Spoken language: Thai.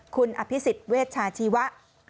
คุณอภิสิทธิ์เวชชาชีวะ